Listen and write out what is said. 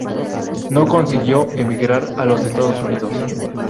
No consiguió emigrar a los Estados Unidos.